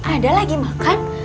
ada lagi makan